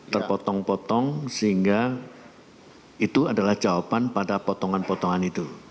terpotong potong sehingga itu adalah jawaban pada potongan potongan itu